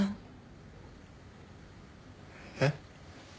えっ？